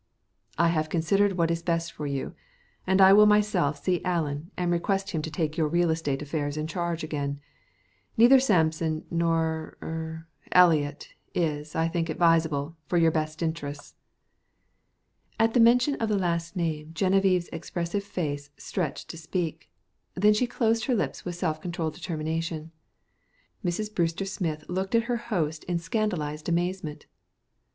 "I have considered what is best for you, and I will myself see Allen and request him to take your real estate affairs in charge again. Neither Sampson nor er Eliot is, I think, advisable for your best interests." At the mention of the last name Genevieve's expressive face stretched to speak; then she closed her lips with self controlled determination. Mrs. Brewster Smith looked at her host in scandalized amazement.